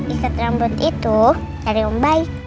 ikat rambut itu dari umbay